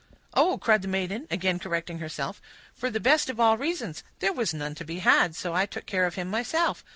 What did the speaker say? "Oh!" cried the maiden, again correcting herself, "for the best of all reasons; there was none to be had, so I took care of him myself.